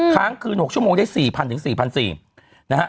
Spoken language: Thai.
ค้างคืน๖ชั่วโมงได้๔๐๐๔๔๐๐นะฮะ